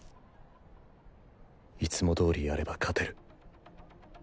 いつも通りやれば勝てる